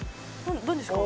何ですか？